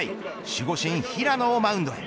守護神、平野をマウンドへ。